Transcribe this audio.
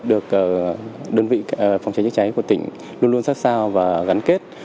được đơn vị phòng cháy chữa cháy của tỉnh luôn luôn sát sao và gắn kết